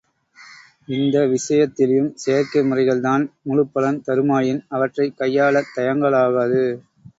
இந்த விஷயத்திலும் செயற்கை முறைகள் தான் முழுப்பலன் தருமாயின் அவற்றைக் கையாளத் தயங்கலாகாது.